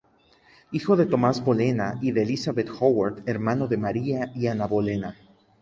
Hijo de Tomás Bolena y de Elizabeth Howard, hermano de María y Ana Bolena.